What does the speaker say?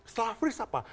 setelah freeze apa